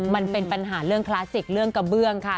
มันเป็นปัญหาเรื่องคลาสสิกเรื่องกระเบื้องค่ะ